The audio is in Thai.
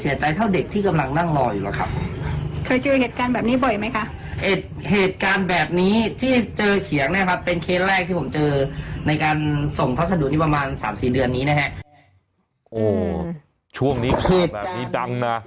เยอะเลยนะ